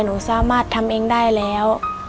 หนูสามารถทำเองได้แล้ว